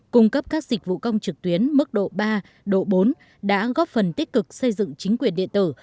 cung cấp các dịch vụ công trực tuyến mức độ ba độ bốn đã góp phần tích cực xây dựng chính quyền điện tử